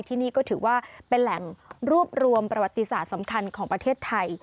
ที่นี่ก็ถือว่าเป็นแหล่งรวบรวมประวัติศาสตร์สำคัญของประเทศไทย